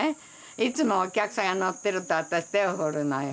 いつもお客さんが乗ってると私手を振るのよ。